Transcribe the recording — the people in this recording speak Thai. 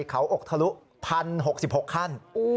เขาอกทะลุ๑๐๖๖ขั้น